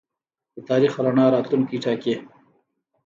د تاریخ رڼا راتلونکی ټاکي.